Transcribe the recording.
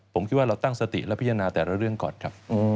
ผมคิดว่าเราตั้งสติและพิจารณาแต่ละเรื่องก่อนครับ